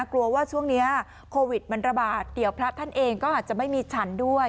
กลัวว่าช่วงนี้โควิดมันระบาดเดี๋ยวพระท่านเองก็อาจจะไม่มีฉันด้วย